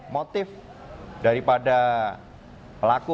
motif daripada pelaku